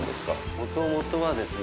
もともとはですね